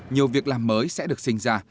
nhiều việc làm mới sẽ được sinh ra